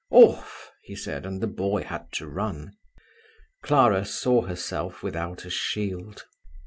"Off!" he said, and the boy had to run. Clara saw herself without a shield.